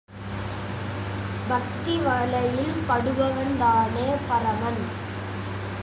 பக்தி வலையில் படுபவன் தானே பரமன்.